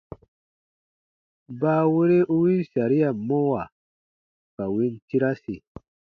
Baawere u win saria mɔwa ka win tirasi.